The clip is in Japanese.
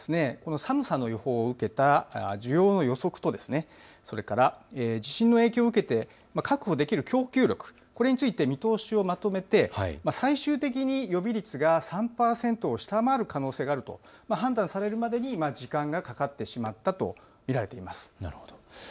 しかし今回は、寒さの予報を受けた、需要の予測と地震の影響を受けて確保できる供給力、これについて見通しをまとめて最終的に予備率が３％を下回る可能性があると判断されるまでに時間がかかってしまったと見られています。